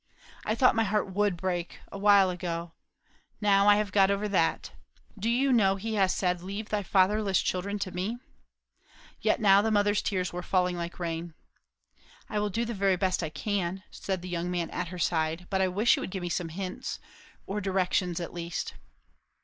I thought my heart would break, a while ago; now I have got over that. Do you know He has said, 'Leave thy fatherless children to me'?" Yet now the mother's tears were falling like rain. "I will do the very best I can," said the young man at her side; "but I wish you would give me some hints, or directions, at least."